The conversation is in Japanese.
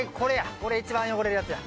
これ一番汚れるやつや。